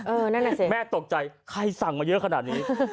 นั่นแหละสิแม่ตกใจใครสั่งมาเยอะขนาดนี้